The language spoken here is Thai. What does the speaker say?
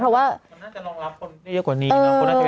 เพราะว่ามันน่าจะรองรับคนได้เยอะกว่านี้เนาะ